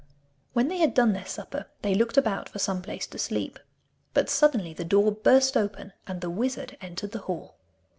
When they had done their supper they looked about for some place to sleep. But suddenly the door burst open, and the wizard entered the hall.